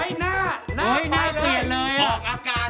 เฮ่ยหน้าหน้าไปเลยออกอาการเฮ่ยหน้าเปลี่ยนเลยอ่ะ